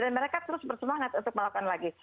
dan mereka terus bersemangat untuk melakukan lagi